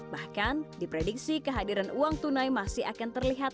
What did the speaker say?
bahkan diprediksi kehadiran uang tunai masih akan terlihat